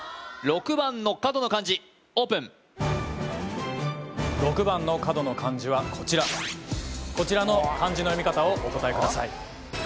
６番の角の漢字オープン６番の角の漢字はこちらこちらの漢字の読み方をお答えください